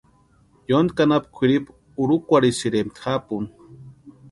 Yontki anapu kwʼiripu urhukwarhisïrempti japuni.